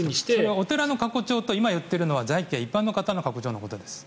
お寺の過去帳と今、言っているのは在家、一般の過去帳のことです。